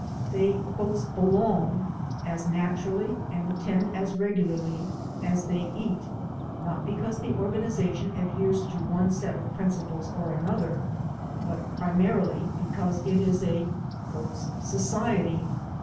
They "belong" as naturally and attend as regularly as they eat, not because the organization adheres to one set of principles or to another, but primarily because it is a "society."